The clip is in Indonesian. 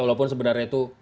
walaupun sebenarnya itu